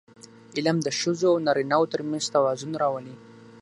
علم د ښځو او نارینهوو ترمنځ توازن راولي.